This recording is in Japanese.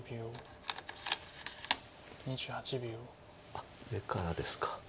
あっ上からですか。